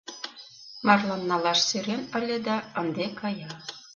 Марлан налаш сӧрен ыле да ынде кая.